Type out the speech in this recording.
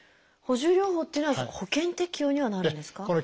補充療法っていうのは保険適用にはなるんですか？